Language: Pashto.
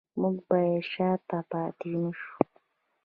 موږ باید شاته پاتې نشو